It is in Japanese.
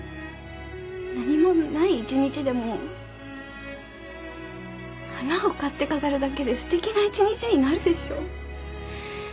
何もない一日でも花を買って飾るだけですてきな一日になるでしょう？